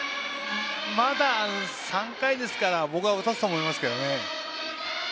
まだ３回ですから僕は打たせると思いますけどね。